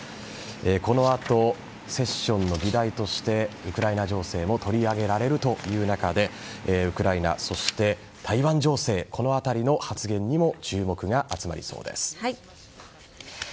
このあとセッションの議題としてウクライナ情勢を取り上げられるということでウクライナ、そして台湾情勢この辺りの発言にも注目が集まりそうです。